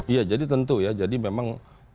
iya jadi tentu ya jadi memang